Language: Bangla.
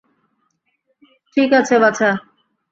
ঠিক আছে, বাছা।